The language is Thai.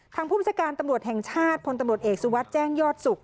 ผู้บัญชาการตำรวจแห่งชาติพลตำรวจเอกสุวัสดิ์แจ้งยอดสุข